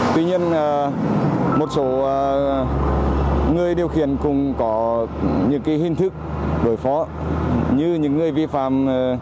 tuy nhiên một số người điều khiển cũng có những hình thức đối phó như những người vi phạm